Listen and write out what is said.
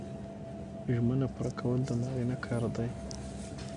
ژمنه پوره کول د نارینه کار دی